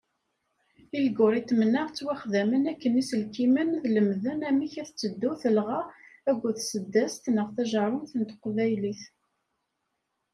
Ilguritmen-a, ttwaxedmen akken iselkimen ad lemden amek tetteddu telɣa akked tseddast neɣ tajerrumt n teqbaylit.